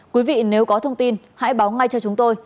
quý vị nếu có thông tin hãy báo ngay cho chúng tôi